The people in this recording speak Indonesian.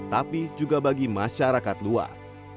tapi juga bagi masyarakat luas